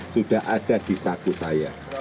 sudah ada di saku saya